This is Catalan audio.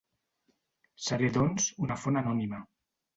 Seré doncs, una font anònima.